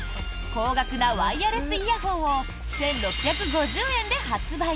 高額なワイヤレスイヤホンを１６５０円で発売。